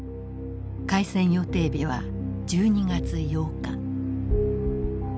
開戦予定日は１２月８日。